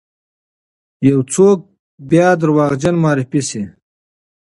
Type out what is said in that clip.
یو څوک بیا دروغجن معرفي سی،